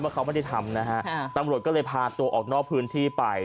เขาไม่ได้ทำนะฮะตำรวจก็เลยพาตัวออกนอกพื้นที่ไป